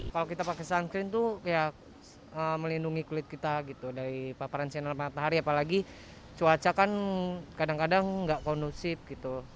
kalau kita pakai suncreen tuh kayak melindungi kulit kita gitu dari paparan sinar matahari apalagi cuaca kan kadang kadang nggak kondusif gitu